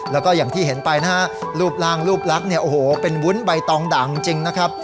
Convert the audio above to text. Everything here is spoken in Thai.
แล้วก็อย่างที่เห็นไปนะฮะรูปร่างรูปลักษณ์เนี่ยโอ้โหเป็นวุ้นใบตองด่างจริงนะครับ